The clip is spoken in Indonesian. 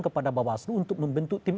kepada bawah seluruh untuk membentuk tim